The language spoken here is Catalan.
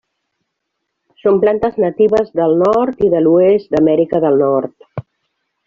Són plantes natives del nord i de l'oest d'Amèrica del Nord.